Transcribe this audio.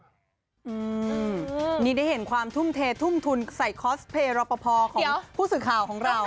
อืมนี่ได้เห็นความทุ่มเททุ่มทุนใส่คอสเพลย์รอปภของผู้สื่อข่าวของเรา